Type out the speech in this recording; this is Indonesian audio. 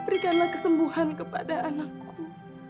berikanlah kesembuhan kepada anakku